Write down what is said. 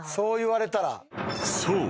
［そう。